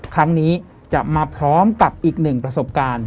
ครั้งนี้จะมาพร้อมกับอีกหนึ่งประสบการณ์